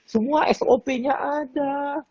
semua sop nya ada